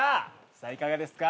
さあいかがですか。